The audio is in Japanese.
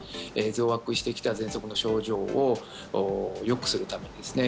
増悪してきた喘息の症状をよくするためにですね